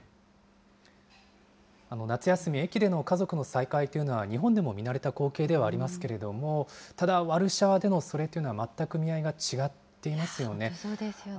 夏休み、駅での家族の再会というのは、日本でも見慣れた光景ではありますけれども、ただ、ワルシャワでのそれっていうのは、全く意味合い本当、そうですよね。